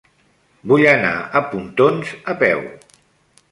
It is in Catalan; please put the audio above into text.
Vull anar a Pontons a peu.